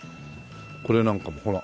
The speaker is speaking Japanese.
これなんかもほら。